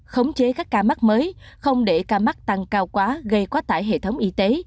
khống chế các ca mắc mới không để ca mắc tăng cao quá gây quá tải hệ thống y tế